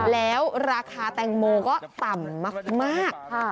แล้วราคาแตงโมก็ต่ำมาก